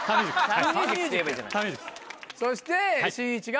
そしてしんいちが？